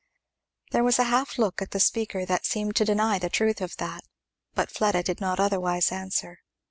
There was a half look at the speaker that seemed to deny the truth of that, but Fleda did not otherwise answer.